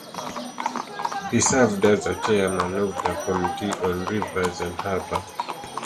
He served as Chairman of the Committee on Rivers and Harbors.